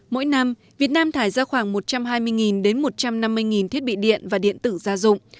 mỗi năm việt nam thải ra khoảng một trăm hai mươi đến một trăm năm mươi thiết bị điện và điện tử gia dụng